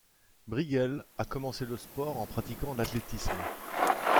Briegel a commencé le sport en pratiquant l'athlétisme.